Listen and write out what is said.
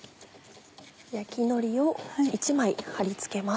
焼きのりを１枚はり付けます。